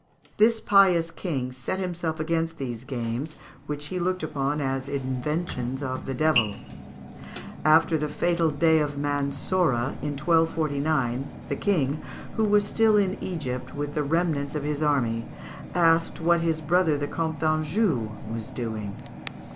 This pious king set himself against these games, which he looked upon as inventions of the devil. After the fatal day of Mansorah, in 1249, the King, who was still in Egypt with the remnants of his army, asked what his brother, the Comte d'Anjou, was doing.